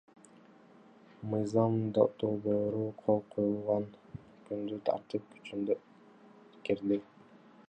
Мыйзам долбоору кол коюлган күндөн тартып күчүнө кирди.